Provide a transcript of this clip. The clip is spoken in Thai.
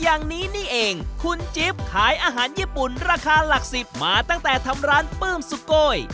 อย่างนี้นี่เองคุณจิ๊บขายอาหารญี่ปุ่นราคาหลักสิบมาตั้งแต่ทำร้านปลื้มสุโกย